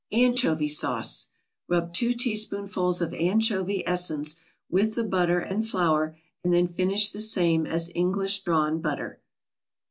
ANCHOVY SAUCE Rub two teaspoonfuls of anchovy essence with the butter and flour and then finish the same as English drawn butter.